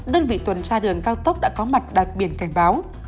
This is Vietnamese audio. đơn vị tuần tra đường cao tốc đã có mặt đặc biệt cảnh báo